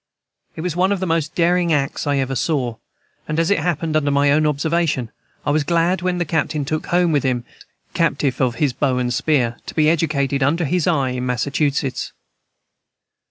It was one of the most daring acts I ever saw, and as it happened under my own observation I was glad when the Captain took home with him this "captive of his bow and spear" to be educated under his eye in Massachusetts.